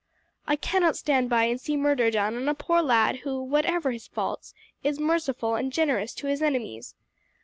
I cannot stand by and see murder done on a poor lad who, whatever his faults, is merciful and generous to his enemies.